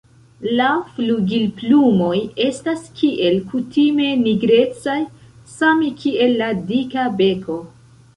La flugilplumoj estas kiel kutime nigrecaj, same kiel la dika beko.